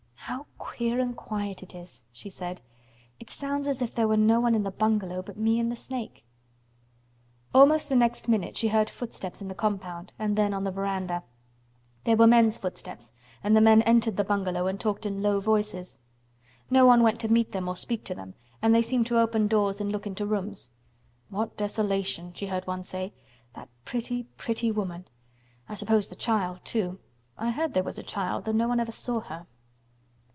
"How queer and quiet it is," she said. "It sounds as if there were no one in the bungalow but me and the snake." Almost the next minute she heard footsteps in the compound, and then on the veranda. They were men's footsteps, and the men entered the bungalow and talked in low voices. No one went to meet or speak to them and they seemed to open doors and look into rooms. "What desolation!" she heard one voice say. "That pretty, pretty woman! I suppose the child, too. I heard there was a child, though no one ever saw her."